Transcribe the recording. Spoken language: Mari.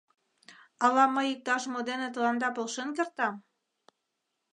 — Ала мый иктаж-мо дене тыланда полшен кертам?